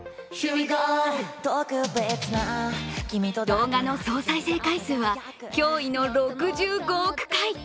動画の総再生回数は驚異の６５億回。